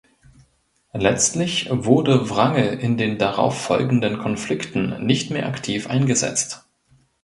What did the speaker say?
Letztlich wurde Wrangel in den darauf folgenden Konflikten nicht mehr aktiv eingesetzt.